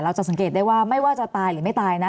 จะสังเกตได้ว่าไม่ว่าจะตายหรือไม่ตายนะ